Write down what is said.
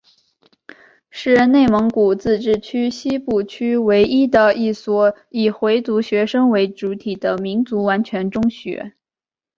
是内蒙古自治区西部区唯一的一所以回族学生为主体的民族完全中学。